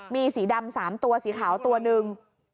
มีสีดำ๓ตัวสีขาวตัวหนึ่ง